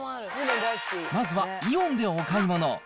まずはイオンでお買い物。